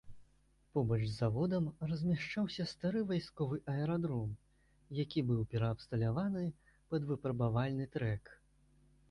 Побач з заводам размяшчаўся стары вайсковы аэрадром, які быў пераабсталяваны пад выпрабавальны трэк.